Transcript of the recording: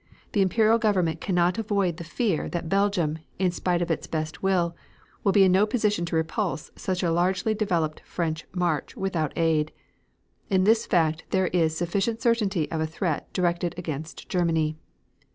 The Imperial Government cannot avoid the fear that Belgium, in spite of its best will, will be in no position to repulse such a largely developed French march without aid. In this fact there is sufficient certainty of a threat directed against Germany.